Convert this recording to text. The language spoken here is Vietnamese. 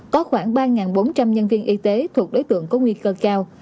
có khoảng ba bốn trăm linh nhân viên y tế thuộc đối tượng có nguy cơ cao